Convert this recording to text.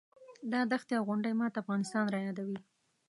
دا دښتې او غونډۍ ماته افغانستان رایادوي.